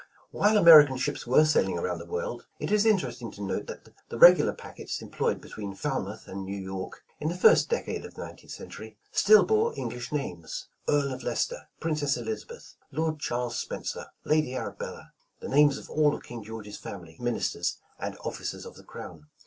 142 A New Century While American ships were sailing around the world, it is interesting to note, that the regular packets em ployed between Falmouth and New York, in the first dec ade of the nineteenth century, still bore English names. "Earl of Leicester," ''Princess Elizabeth," ''Lord Charles Spencer," "Lady Arabella," "the names of all of King George's family, ministers, and officers of the Crown."